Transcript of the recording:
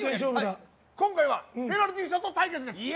今回はペナルティーショット対決です。